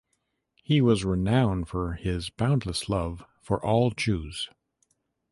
He was renowned for his boundless love for all Jews.